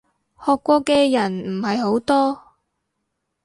學過嘅人唔係好多